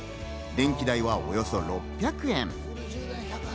電気代はおよそ６００円。